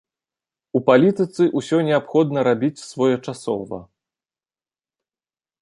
У палітыцы ўсё неабходна рабіць своечасова.